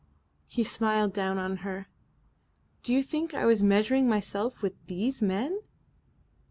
He smiled down on her. "Do you think I was measuring myself with these men?"